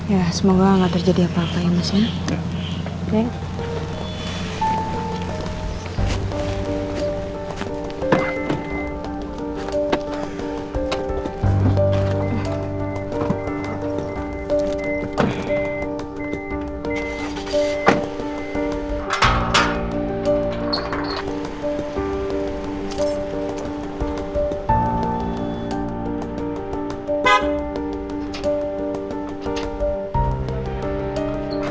ya semoga gak terjadi apa apa ya mas ya